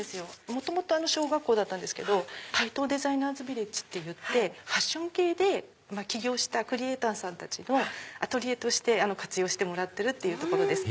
元々小学校だったんですけど台東デザイナーズビレッジってファッション系で起業したクリエーターさんたちのアトリエとして活用してもらってる所です。